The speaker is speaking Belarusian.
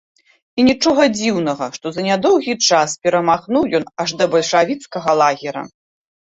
І нічога дзіўнага, што за нядоўгі час перамахнуў ён аж да бальшавіцкага лагера.